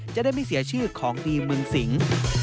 จะได้ไม่เสียชื่อของดีเมืองสิง